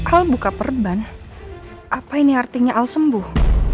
al buka perban apa ini artinya al sembuh